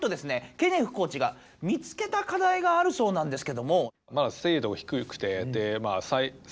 ケネフコーチが見つけたかだいがあるそうなんですけども。